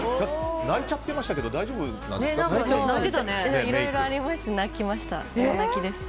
泣いちゃってましたけど大丈夫でしたか。